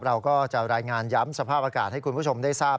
เราก็จะรายงานย้ำสภาพอากาศให้คุณผู้ชมได้ทราบ